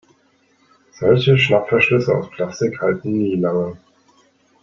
Solche Schnappverschlüsse aus Plastik halten nie lange.